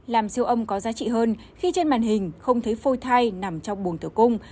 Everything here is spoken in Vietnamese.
làm siêu âm có giá trị hơn khi trên màn hình không thấy phôi thai nằm trong buồn tử cung